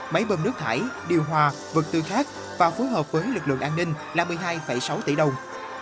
máy bơm nước thải điều hòa vật tư khác và phối hợp với lực lượng an ninh là một mươi hai sáu tỷ đồng